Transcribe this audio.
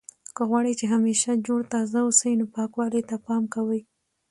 که غواړئ چې همیشه جوړ تازه اوسئ نو پاکوالي ته پام کوئ.